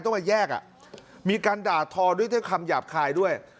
ต้องมาแยกอ่ะมีการด่าทอด้วยคำหยาบคายด้วย